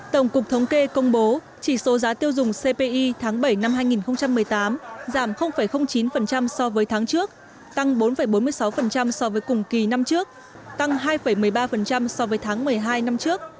tổng cục thống kê công bố chỉ số giá tiêu dùng cpi tháng bảy năm hai nghìn một mươi tám giảm chín so với tháng trước tăng bốn bốn mươi sáu so với cùng kỳ năm trước tăng hai một mươi ba so với tháng một mươi hai năm trước